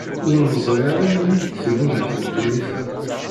Ur neẓri ara melmi i d-tennunet ddunit-a.